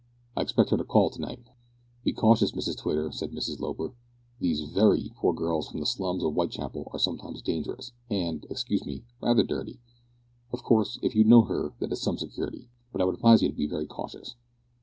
I expect her to call to night." "Be cautious, Mrs Twitter," said Mrs Loper. "These very poor girls from the slums of Whitechapel are sometimes dangerous, and, excuse me, rather dirty. Of course, if you know her, that is some security, but I would advise you to be very cautious."